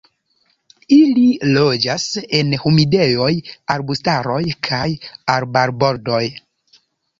Ili loĝas en humidejoj, arbustaroj kaj arbarbordoj.